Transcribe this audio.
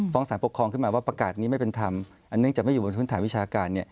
สารปกครองขึ้นมาว่าประกาศนี้ไม่เป็นธรรมอันเนื่องจากไม่อยู่บนพื้นฐานวิชาการ